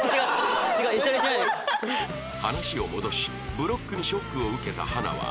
話を戻しブロックにショックを受けた花は